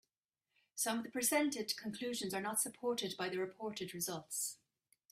Some of the presented conclusions are not supported by the reported results.